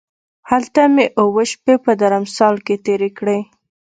هلته مې اووه شپې په درمسال کې تېرې کړې.